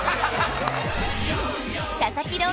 佐々木朗